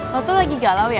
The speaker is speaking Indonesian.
lo tuh lagi galau ya